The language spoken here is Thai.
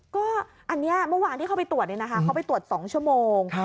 ก็อันเนี่ยเมื่อวานที่เข้าไปตรวจเนี่ยนะคะเข้าไปตรวจ๒ชั่วโมง